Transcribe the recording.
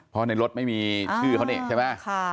เพราะในรถไม่มีชื่อเขานี่ใช่ไหม